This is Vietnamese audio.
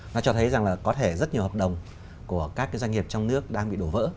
nó cho thấy rằng là có thể rất nhiều hợp đồng của các cái doanh nghiệp trong nước đang bị đổ vỡ